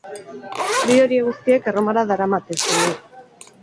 Bide horiek guztiek Erromara daramate, seme.